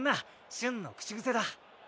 瞬の口癖だ。